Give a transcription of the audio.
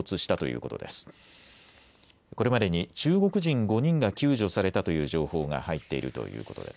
これまでに中国人５人が救助されたという情報が入っているということです。